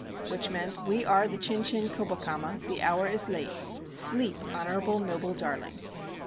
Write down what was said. Which meant: "We are the Chin chin Kobakama; the hour is late; sleep, honorable noble darling!"